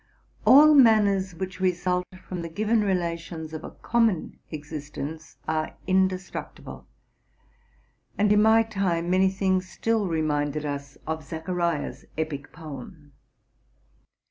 All manners which result from the given relations of a common existence are indestructible ; and, in my time, many things still reminded us of Zacharia's epic poem.